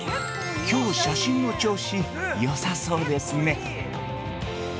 きょう、写真の調子、よさそうですね。